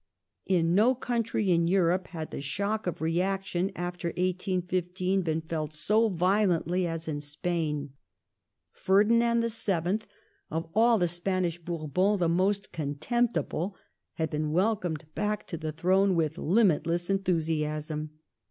Revolu In no country in Europe had the shock of reaction after 1815 Southern ^^^^^^^^^^ violently as in Spain. Ferdinand VII., of all the Europe Spanish Bourbons the most contemptible, had been welcomed back to the throne with limitless enthusiasm.